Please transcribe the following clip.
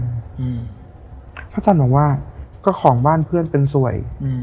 อาจารย์บอกว่าก็ของบ้านเพื่อนเป็นสวยอืม